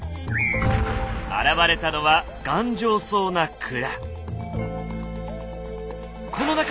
現れたのは頑丈そうな蔵。